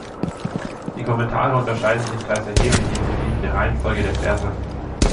Die Kommentare unterscheiden sich teils erheblich hinsichtlich der Reihenfolge der Verse.